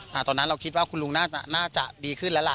ตอนนั้นเราคิดว่าคุณลุงน่าจะดีขึ้นแล้วล่ะ